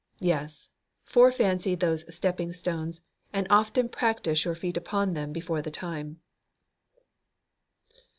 Yes; fore fancy those stepping stones, and often practise your feet upon them before the time.